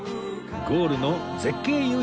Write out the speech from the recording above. ゴールの絶景夕日